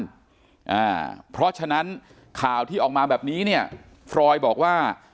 อ่าเพราะฉะนั้นข่าวที่ออกมาแบบนี้เนี่ยฟรอยบอกว่า